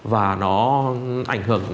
và nó ảnh hưởng